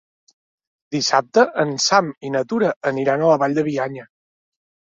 Dissabte en Sam i na Tura aniran a la Vall de Bianya.